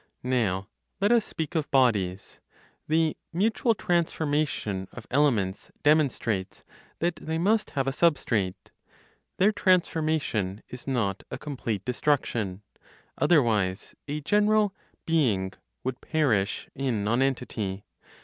Now let us speak of bodies. The mutual transformation of elements demonstrates that they must have a substrate. Their transformation is not a complete destruction; otherwise (a general) "being" would perish in nonentity.